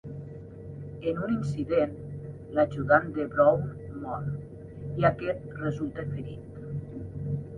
En un incident, l'ajudant de Brown mor i aquest resulta ferit.